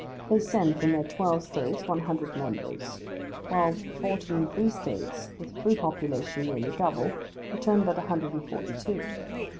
They send from their twelve States one hundred members, while the fourteen free States, with a free population nearly double, return but a hundred and forty two.